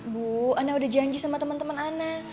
bu ana udah janji sama temen temen ana